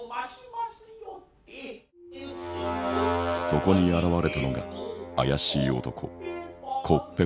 そこに現れたのが怪しい男コッペパン。